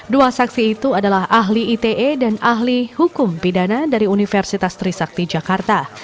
dua saksi itu adalah ahli ite dan ahli hukum pidana dari universitas trisakti jakarta